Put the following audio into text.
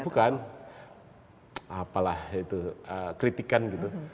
bukan apalah itu kritikan gitu